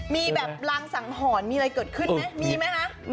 มีแบบหลังสั่งหอนมีอะไรเกิดขึ้นไหม